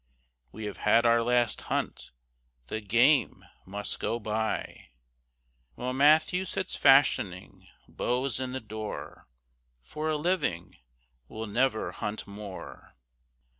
We have had our last hunt, the game must go by, While Matthew sits fashioning bows in the door, For a living. We'll never hunt more.